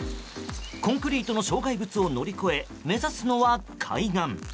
コンクリートの障害物を乗り越え目指すのは海岸。